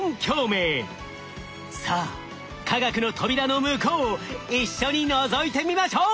さあ化学の扉の向こうを一緒にのぞいてみましょう！